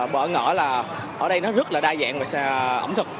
bất ngờ là ở đây nó rất là đa dạng về ẩm thực